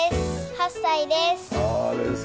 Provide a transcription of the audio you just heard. ８歳です。